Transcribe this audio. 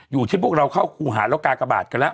อยู่ที่พวกเราเข้าครูหาแล้วกากะบาดกันล่ะ